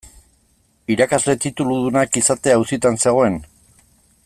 Irakasle tituludunak izatea auzitan zegoen?